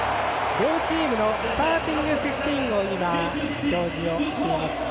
両チームのスターティングフィフティーンを表示しています。